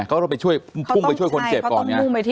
เขาต้องปุ้งไปช่วยคนเจ็บก่อน